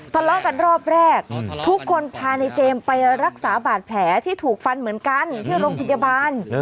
ทะเลาะกันรอบแรกทุกคนพาในเจมส์ไปรักษาบาดแผลที่ถูกฟันเหมือนกันที่โรงพยาบาล